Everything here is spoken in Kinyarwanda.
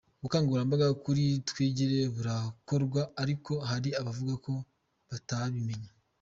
Ubukangurambaga kuri Twigire burakorwa, ariko hari abavuga ko batabimenya.